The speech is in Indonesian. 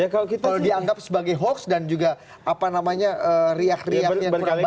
kalau dianggap sebagai hoax dan juga apa namanya riak riak yang kurang baik